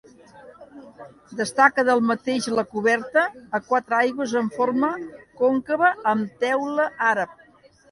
Destaca del mateix la coberta a quatre aigües en forma còncava amb teula àrab.